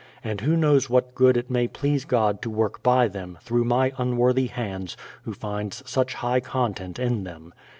And who knows what good it may please God to work by them, through my unworthy hands, who finds such high content in them.